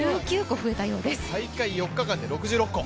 大会４日間で６６個。